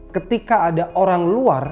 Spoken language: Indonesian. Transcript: ketika ada orang luar